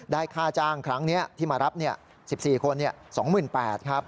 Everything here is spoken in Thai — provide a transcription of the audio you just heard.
ได้ค่าจ้างครั้งนี้ที่มารับ๑๔คน๒๘๐๐๐บาท